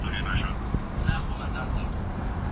که ټولنیز نظم نه وي نو ګډوډي به رامنځته سي.